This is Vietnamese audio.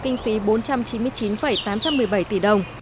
kinh phí bốn trăm chín mươi chín tám trăm một mươi bảy tỷ đồng